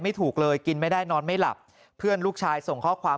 ถูกเลยกินไม่ได้นอนไม่หลับเพื่อนลูกชายส่งข้อความ